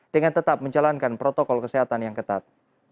dengan tetap menjalankan protokol kesehatan yang ketat